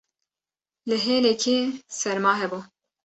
li hêlekê serma hebû